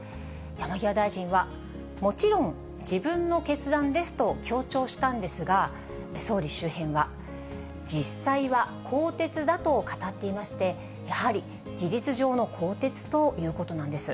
山際大臣は、もちろん、自分の決断ですと強調したんですが、総理周辺は、実際は更迭だと語っていまして、やはり事実上の更迭ということなんです。